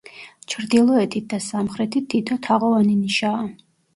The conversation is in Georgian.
ჩრდილოეთით და სამხრეთით თითო თაღოვანი ნიშაა.